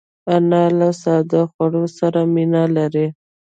انا له ساده خوړو سره مینه لري